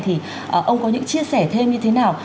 thì ông có những chia sẻ thêm như thế nào